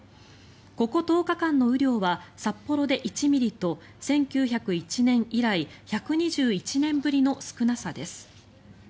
ここ１０日間の雨量は札幌で１ミリと１９０１年以来１２１年ぶりの少なさです。